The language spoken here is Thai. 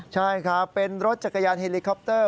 ใช่ครับเป็นรถจักรยานเฮลิคอปเตอร์